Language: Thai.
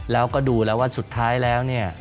แล้วก็ดูแล้วว่าสุดท้ายแล้วเนี่ย